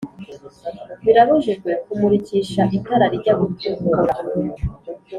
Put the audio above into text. Birabujijwe kumurikisha itara rijya gutukura